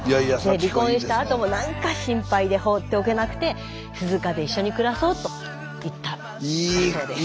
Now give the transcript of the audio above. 離婚したあともなんか心配で放っておけなくて鈴鹿で一緒に暮らそうと言ったんだそうです。